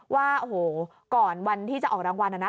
ว่าโอ้โฮก่อนวันที่จะออกรางวัลอย่างนั้นนะ